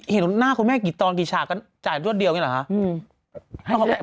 เห็นหน้าคุณแม่กี่ตอนกี่ฉากก็จ่ายรวดเดียวอย่างนี้เหรอคะ